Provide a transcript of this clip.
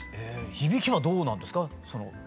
響きはどうなんですか？